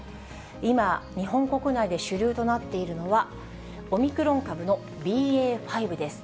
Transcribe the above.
今、日本国内で主流となっているのは、オミクロン株のＢＡ．５です。